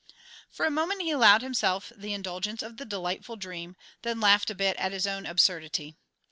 For a moment he allowed himself the indulgence of the delightful dream, then laughed a bit at his own absurdity.